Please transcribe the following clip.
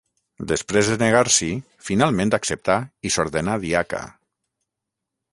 Després de negar-s'hi, finalment acceptà i s'ordenà diaca.